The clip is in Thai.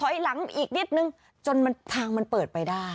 หลังอีกนิดนึงจนทางมันเปิดไปได้